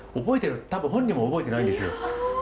覚えてる多分本人も覚えてないんですよ。